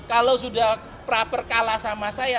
kalau sudah pra per kalah sama saya